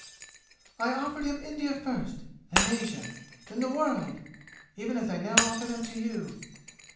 "I offered him India first, then Asia, then the world even as I now offer them to you.